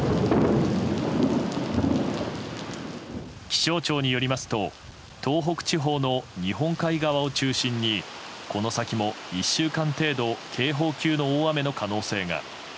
気象庁によりますと東北地方の日本海側を中心にこの先も１週間程度警報級の大雨の可能性が。